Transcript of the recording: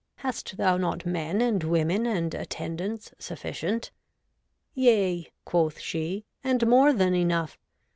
' Hast thou not men and women and attendants sufficient ?'' Yea,' quoth she, ' and more than enough.